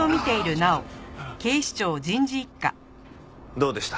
どうでした？